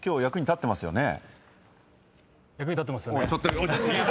立ってますよね。